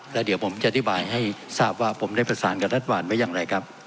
แล้วเดี๋ยวผมจะอธิบายให้ทราบว่าผมได้ประสานกับรัฐบาลไว้อย่างไรครับ